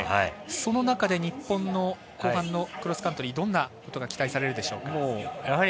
その中で日本の後半のクロスカントリーどんなことが期待されるでしょうか。